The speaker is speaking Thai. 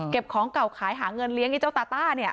เก็บของเก่าขายหาเงินเลี้ยงไอ้เจ้าตาต้า